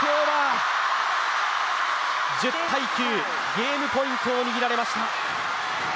ゲームポイントを握られました。